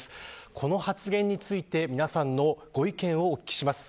この発言について、皆さんのご意見をお聞きします。